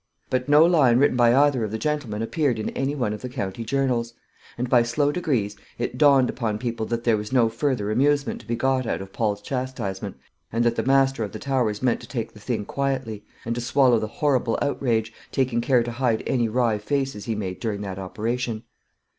But no line written by either of the gentlemen appeared in any one of the county journals; and by slow degrees it dawned upon people that there was no further amusement to be got out of Paul's chastisement, and that the master of the Towers meant to take the thing quietly, and to swallow the horrible outrage, taking care to hide any wry faces he made during that operation.